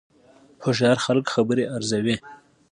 هوښیار خلک خبرې ارزوي